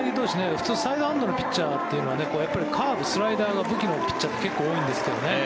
普通、サイドハンドのピッチャーはカーブ、スライダーが武器のピッチャーって結構多いんですけどね。